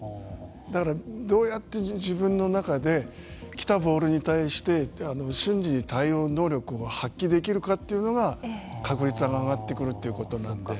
だからどうやって自分の中で来たボールに対して瞬時に対応能力を発揮できるかというのが確率が上がってくるということなので。